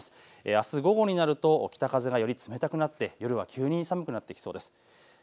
あす午後になると北風がより冷たくなって夜は急に寒くなってきそうです。